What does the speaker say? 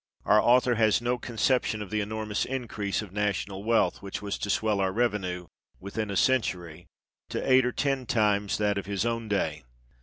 Our author has no conception of the enormous increase of national wealth which was to swell our revenue, within a century, to eight or ten times that of his own day.